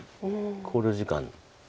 考慮時間。